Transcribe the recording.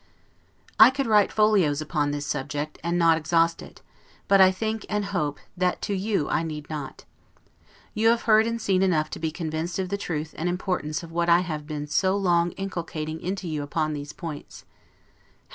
I could write folios upon this subject, and not exhaust it; but I think, and hope, that to you I need not. You have heard and seen enough to be convinced of the truth and importance of what I have been so long inculcating into you upon these points.